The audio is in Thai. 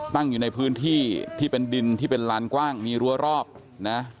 อยู่ในพื้นที่ที่เป็นดินที่เป็นลานกว้างมีรั้วรอบนะ